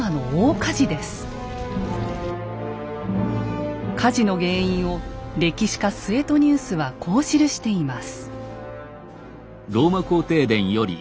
火事の原因を歴史家・スエトニウスはこう記しています。